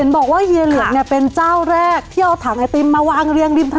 บอกว่าเฮียเหลืองเนี่ยเป็นเจ้าแรกที่เอาถังไอติมมาวางเรียงริมถนน